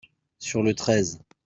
sur le treize.